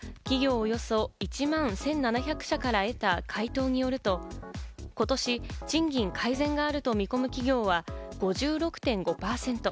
およそ１万１７００社から得た回答によると、今年、賃金改善があると見込む企業が５６．５％。